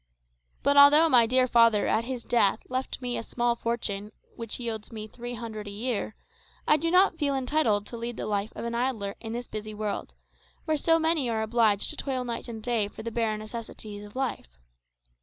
But although my dear father at his death left me a small fortune, which yields me three hundred a year, I do not feel entitled to lead the life of an idler in this busy world, where so many are obliged to toil night and day for the bare necessaries of life.